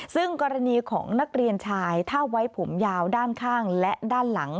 ซึ่งกรณีของนักเรียนชายถ้าไว้ผมยาวด้านข้างและด้านหลัง